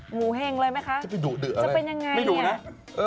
หมูเห้งเลยมั้ยคะจะไปดุตรึะาอะไร